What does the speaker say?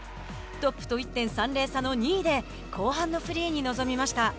トップと１．３０差の２位で後半のフリーに臨みました。